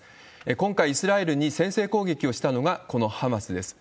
今回、イスラエルに先制攻撃をしたのが、このハマスです。